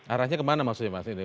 arahnya kemana maksudnya pak ardo